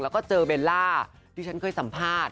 แล้วก็เจอเบลล่าที่ฉันเคยสัมภาษณ์